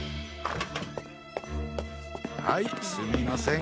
はいすみません。